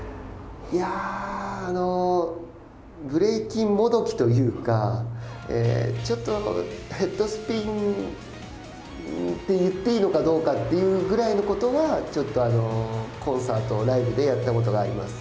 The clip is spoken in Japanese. いやあブレイキンもどきというかちょっとヘッドスピンと言っていいのかどうかというぐらいのことはちょっとコンサートライブでやったことがあります。